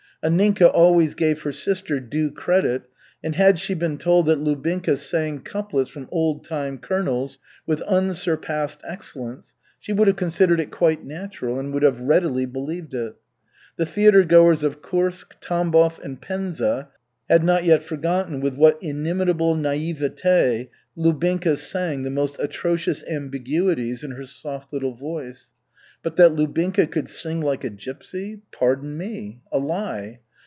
Anninka always gave her sister due credit, and had she been told that Lubinka sang couplets from Old time Colonels with unsurpassed excellence, she would have considered it quite natural and would have readily believed it. The theatergoers of Kursk, Tambov and Penza had not yet forgotten with what inimitable naïveté Lubinka sang the most atrocious ambiguities in her soft little voice. But that Lubinka could sing like a gypsy pardon me! A lie!